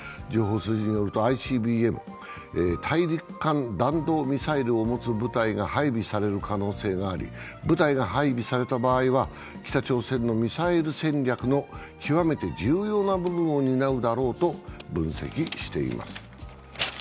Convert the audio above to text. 情報筋によるとＩＣＢＭ＝大陸間弾道ミサイルを持つ部隊が配備される可能性があり、部隊が配備された場合は北朝鮮のミサイル戦略の極めて重要な部分を担うだろうと分析しています。